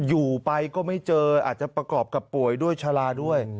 อยู่ไปก็ไม่เจออาจจะประกอบกับป่วยด้วยชะลาด้วย